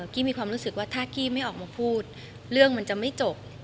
กี้มีความรู้สึกว่าถ้ากี้ไม่ออกมาพูดเรื่องมันจะไม่จบ